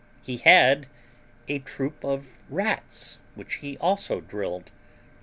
He had a troop of rats which he also drilled.